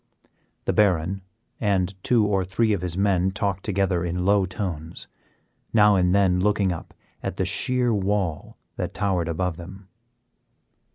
The Baron and two or three of his men talked together in low tones, now and then looking up at the sheer wall that towered above them.